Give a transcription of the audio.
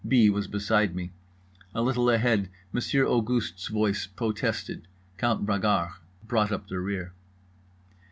B. was beside me. A little ahead Monsieur Auguste's voice protested. Count Bragard brought up the rear.